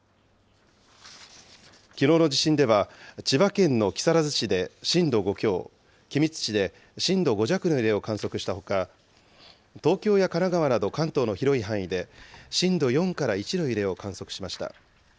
きのうの地震では、千葉県の木更津市で震度５強、君津市で震度５弱の揺れを観測したほか、東京や神奈川など関東の広い範囲で、震度４から１の揺れを観測しました。